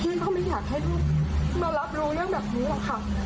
พี่เขาไม่อยากให้ลูกมารับลูกอย่างแบบนี้หรอกค่ะ